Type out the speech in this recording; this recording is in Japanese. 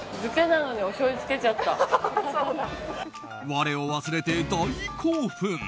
我を忘れて大興奮。